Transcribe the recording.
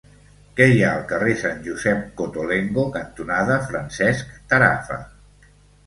Què hi ha al carrer Sant Josep Cottolengo cantonada Francesc Tarafa?